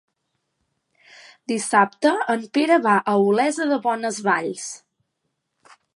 Dissabte en Pere va a Olesa de Bonesvalls.